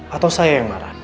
atau saya yang marah